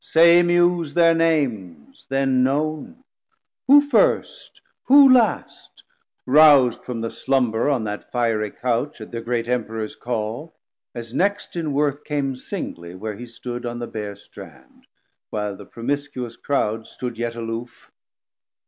Say, Muse, their Names then known, who first, who last, Rous'd from the slumber, on that fiery Couch, At thir great Emperors call, as next in worth Came singly where he stood on the bare strand, While the promiscuous croud stood yet aloof?